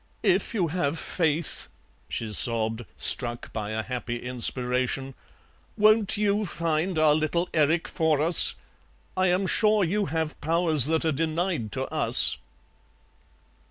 "If you have faith," she sobbed, struck by a happy inspiration, "won't you find our little Erik for us? I am sure you have powers that are denied to us."